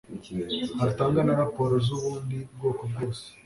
artanga na raporo z'ubundi bwoko bwose